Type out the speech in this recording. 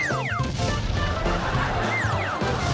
ลำเลย